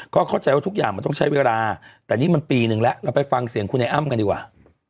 ก็เข้าใจว่าทุกอย่างมันต้องใช้เวลาแต่นี่มันปีนึงแล้วเราไปฟังเสียงคุณไอ้อ้ำกันดีกว่า